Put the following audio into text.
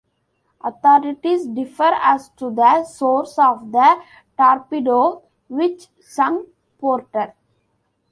Authorities differ as to the source of the torpedo which sunk "Porter".